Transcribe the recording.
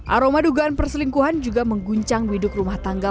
aroma dugaan perselingkuhan juga mengguncang widuk rumah tangga